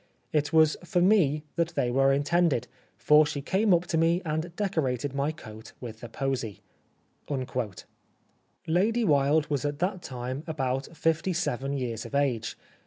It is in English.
It was for me that they were intended, for she came up to me and decorated my coat with the posy." Lady Wilde was at that time about fifty seven years of age.